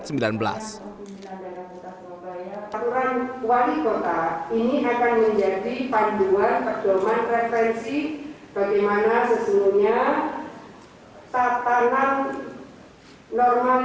aturan wali kota ini akan menjadi panduan perjalanan referensi